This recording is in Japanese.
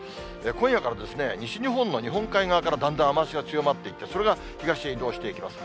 今夜から西日本の日本海側からだんだん雨足が強まっていって、それが東へ移動していきます。